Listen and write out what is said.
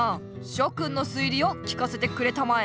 しょくんの推理を聞かせてくれたまえ。